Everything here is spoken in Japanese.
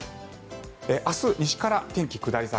明日、西から天気下り坂。